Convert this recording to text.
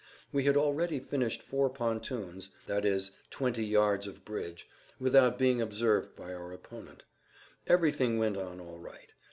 We had already finished four pontoons, i. e., twenty yards of bridge, without being observed by our opponent. Everything went on all right.